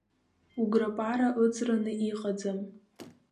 Уграпара ыӡраны иҟаӡам.